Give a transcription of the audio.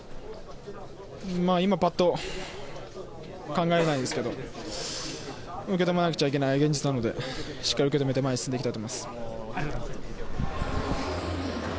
今パッと考えられないですが受け止めなければいけない現実なのでしっかり受け止めて前に進んでいきたいと思います。